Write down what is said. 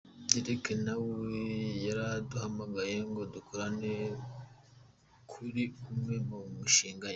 Drake na we yaraduhamagaye ngo dukorane kuri umwe mu mishinga ye.